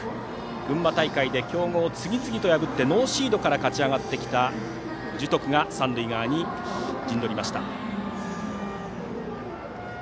群馬大会で強豪を次々と破ってノーシードから勝ち上がってきた樹徳が三塁側に陣取りました。